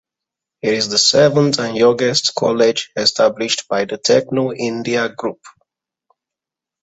It is the seventh and youngest college established by the "Techno India Group".